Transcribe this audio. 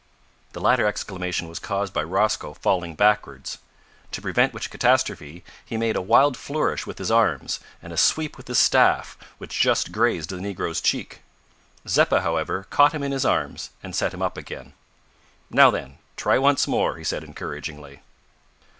The latter exclamation was caused by Rosco falling backwards; to prevent which catastrophe he made a wild flourish with his arms, and a sweep with his staff, which just grazed the negro's cheek. Zeppa, however, caught him in his arms, and set him up again. "Now then, try once more," he said encouragingly.